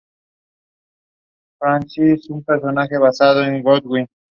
Este taller se ha dedicado a la especialidad de reproducir fielmente la alfarería mapuche.